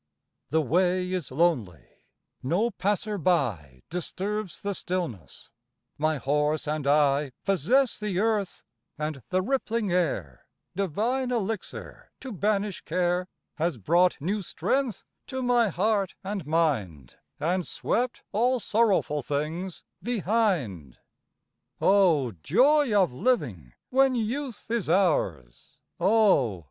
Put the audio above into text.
The way is lonely, no passer by Disturbs the stillness, my horse and I Possess the earth, and the rippling air Divine elixir to banish care Has brought new strength to my heart and mind, And swept all sorrowful things behind. Oh! Joy of living when youth is ours! Oh!